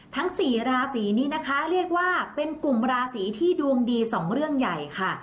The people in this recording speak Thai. ทั้ง๔ราศีนี้นะคะเรียกว่าเป็นกลุ่มราศีที่ดวงดีสองเรื่องใหญ่ค่ะ